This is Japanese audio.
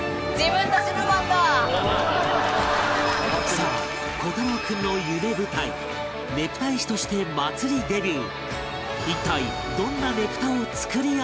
さあ虎太朗君の夢舞台ねぷた絵師として祭りデビュー